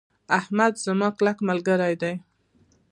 احمد زما کلک ملګری ده.